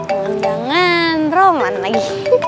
oh jangan roman lagi